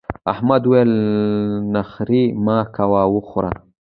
احمد وويل: نخرې مه کوه وخوره.